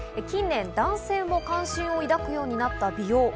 近年男性も関心を抱くようになった美容。